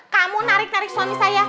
kamu narik narik suami saya